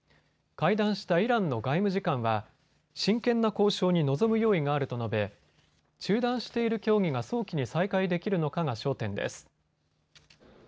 会談したイランの外務次官は真剣な交渉に臨む用意があると述べ、中断している協議が早期に再開できるのかが焦点です。